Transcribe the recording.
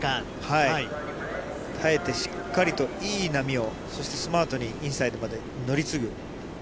耐えてしっかりといい波を、そしてスマートにインサイドまで乗り継ぐ。